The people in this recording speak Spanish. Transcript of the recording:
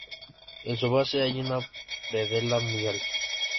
En su base hay una predela muy alta.